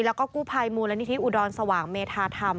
แล้วก็กู้ภัยมูลนิธิอุดรสว่างเมธาธรรม